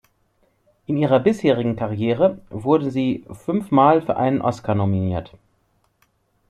In ihrer bisherigen Karriere wurde sie fünfmal für einen Oscar nominiert.